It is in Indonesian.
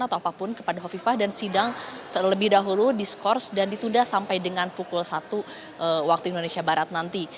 atau apapun kepada hovifah dan sidang terlebih dahulu diskors dan ditunda sampai dengan pukul satu waktu indonesia barat nanti